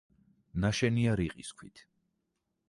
ნაშენია რიყის ქვით.